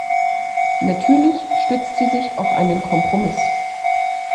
Natürlich stützt sie sich auf einen Kompromiss.